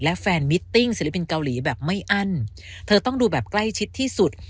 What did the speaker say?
และแฟนมิตติ้งศิลปินเกาหลีแบบไม่อั้นเธอต้องดูแบบใกล้ชิดที่สุด